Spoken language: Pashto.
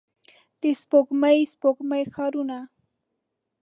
د سپوږمۍ، سپوږمۍ ښارونو